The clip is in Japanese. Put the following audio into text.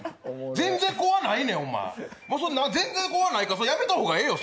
全然、怖ないねん、全然怖ないからやめた方がええよ。